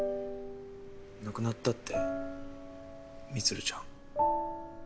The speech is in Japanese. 亡くなったって充ちゃん。